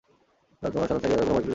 তোমার সন্তান থাকিতে কোনো ভয় করিয়ো না।